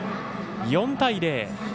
４対０。